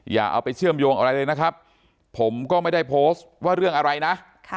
อย่าเอาไปเชื่อมโยงอะไรเลยนะครับผมก็ไม่ได้โพสต์ว่าเรื่องอะไรนะ